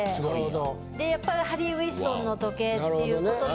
でやっぱりハリー・ウィンストンの時計っていう事で。